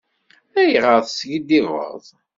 Ayɣer teskiddibeḍ?